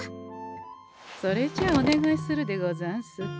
それじゃお願いするでござんす。